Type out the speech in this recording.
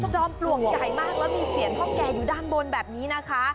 ปลวกใหญ่มากแล้วมีเสียงพ่อแก่อยู่ด้านบนแบบนี้นะคะ